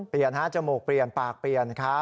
เปลี่ยนนะจมูกเปลี่ยนปากเปลี่ยนครับ